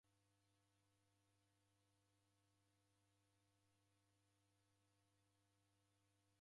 Malagho ghamu kwadabonya bila kusegheshere